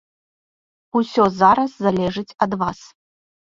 Усё зараз залежыць ад вас.